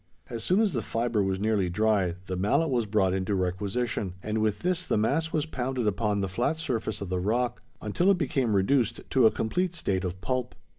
As soon as the fibre was nearly dry, the mallet was brought into requisition; and with this the mass was pounded upon the flat surface of the rock until it became reduced to a complete state of "pulp."